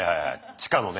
地下のね。